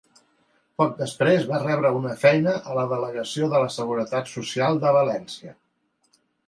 Poc després va rebre una feina a la Delegació de la Seguretat Social de València.